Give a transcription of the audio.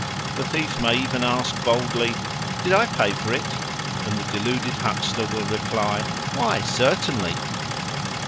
The thief may even ask boldly, "Did I pay for it?" and the deluded huckster will reply, "Why, certainly."